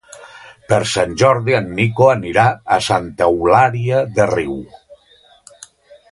Per Sant Jordi en Nico anirà a Santa Eulària des Riu.